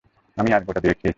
আমি আজ গোটা দুয়েক খেয়েছি।